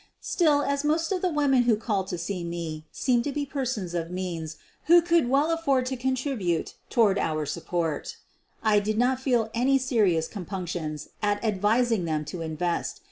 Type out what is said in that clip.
Still, as most of the women who called to see me seemed to be persons of means who could well afford to contribute toward our support, I did not feel any serious compunc tions at advising them to invest.